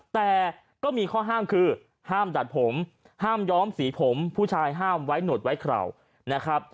แต่ก็มีข้อห้ามคือห้ามดัดผมห้ามย้อมสีผมผู้ชายห้ามไว้หนดไว้คราวนะครับ